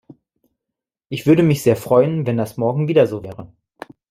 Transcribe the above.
Ich würde mich sehr freuen, wenn das morgen wieder so wäre!